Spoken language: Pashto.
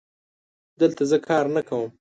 دلته زه کار نه کوم